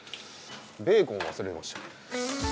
ベーコンを忘れました。